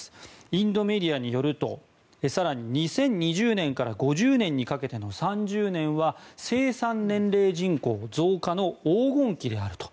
インドメディアによると更に２０２０年から５０年にかけての３０年は生産年齢人口増加の黄金期であると。